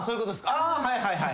ああはいはいはい。